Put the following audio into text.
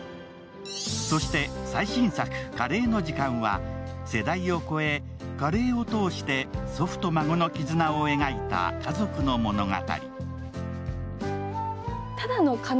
そして最新作、「カレーの時間」は世代を超え、カレーを通して祖父と孫の絆を描いた家族の物語。